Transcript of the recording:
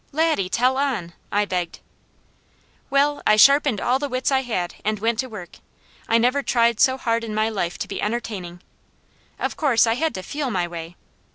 "Laddie tell on!" I begged. "Well, I sharpened all the wits I had and went to work. I never tried so hard in my life to be entertaining. Of course I had to feel my way.